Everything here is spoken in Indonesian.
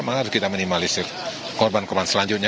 maka harus kita minimalisir korban korban selanjutnya